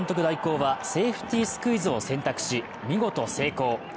代行はセーフティスクイズを選択し、見事成功。